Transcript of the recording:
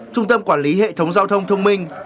trung tâm quản lý hệ thống giao thông thông minh